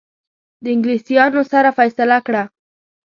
د انګلیسانو سره فیصله کړه.